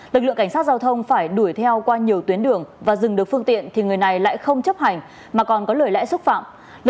lực lượng cảnh sát giao thông phải đuổi theo qua nhiều tuyến đường và dừng được phương tiện thì người này lại không chấp hành mà còn có lời lẽ xúc phạm